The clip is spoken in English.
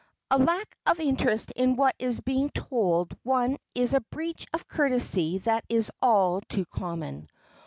A lack of interest in what is being told one is a breach of courtesy that is all too common.